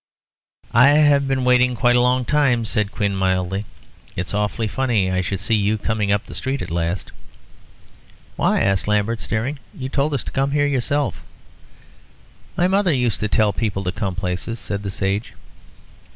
"I have been waiting quite a long time," said Quin, mildly. "It's awfully funny I should see you coming up the street at last." "Why?" asked Lambert, staring. "You told us to come here yourself." "My mother used to tell people to come to places," said the sage.